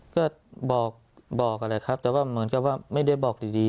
ก็บอกอะแหละครับแต่ว่าเหมือนกับว่าไม่ได้บอกดี